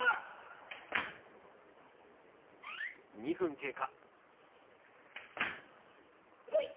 ２分経過。